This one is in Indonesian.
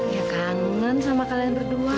ya kangen sama kalian berdua